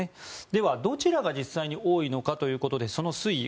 では、どちらが実際に多いのかということでその推移